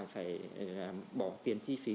phải bỏ tiền chi phí